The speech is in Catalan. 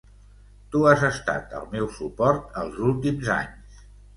Tu has estat el meu suport els últims anys.